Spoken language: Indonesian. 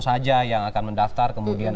saja yang akan mendaftar kemudian